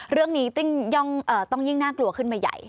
เรื่องนี้ต้องยิ่งน่ากลัวขึ้นมาใหญ่